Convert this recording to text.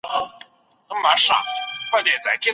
د کرکې ختمول د سولې او آرامتیا سبب کیږي.